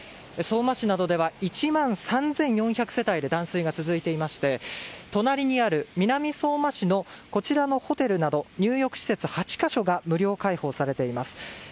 相馬市などでは１万３４００世帯で断水が続いていまして隣にある南相馬市のこちらのホテルなど入浴施設８か所が無料開放されています。